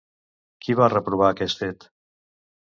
Qui va reprovar aquest fet?